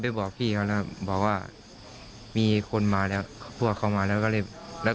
บอกพี่เขาแล้วบอกว่ามีคนมาแล้วพวกเขามาแล้วก็เลยแล้ว